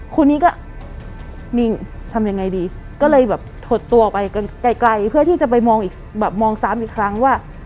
คุณนี้ก็ว่าทำยังไงดีก็เลยแบบถดตัวไปก่อนไกลเพื่อที่จะไปมองอีกครั้ง